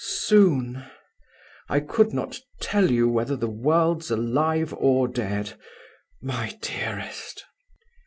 Soon! I could not tell you whether the world's alive or dead. My dearest!"